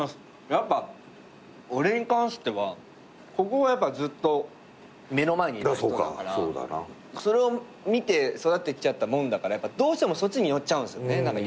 やっぱ俺に関してはここがずっと目の前にいた人だからそれを見て育ってきちゃったもんだからどうしてもそっちに寄っちゃうんですよね。